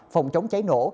phòng chống cháy nổ